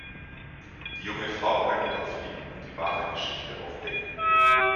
Die junge Frau kann jedoch fliehen und die wahre Geschichte aufdecken.